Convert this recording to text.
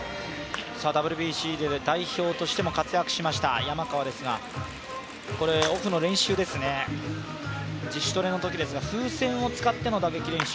ＷＢＣで代表としても活躍しました山川ですが、これ、オフの先週ですね、自主トレのときですが、風船を使っての打撃練習